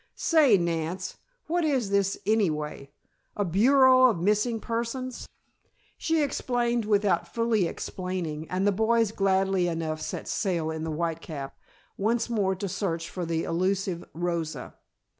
"Say, Nance, what is this, anyway? A bureau of missing persons?" She explained without fully explaining, and the boys gladly enough set sail in the Whitecap, once more to search for the illusive Rosa.